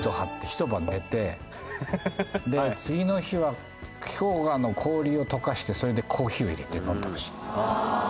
次の日は氷河の氷を溶かしてそれでコーヒーを入れて飲んでほしい。